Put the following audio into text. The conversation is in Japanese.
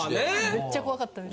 めっちゃ怖かったです。